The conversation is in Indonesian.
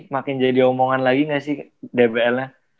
makin jadi omongan lagi gak sih dblnya